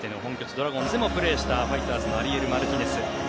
ドラゴンズでもプレーしたファイターズのアリエル・マルティネス。